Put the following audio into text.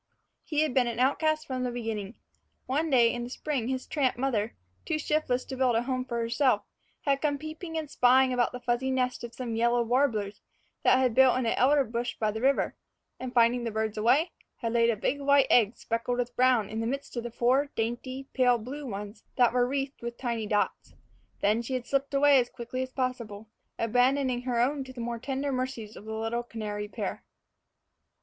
He had been an outcast from the beginning. One day in the spring his tramp mother, too shiftless to build a home for herself, had come peeping and spying about the fuzzy nest of some yellow warblers that had built in an elder bush by the river; and finding the birds away, had laid a big white egg speckled with brown in the midst of four dainty pale blue ones that were wreathed with tiny dots. Then she had slipped away as quickly as possible, abandoning her own to the more tender mercies of the little canary pair.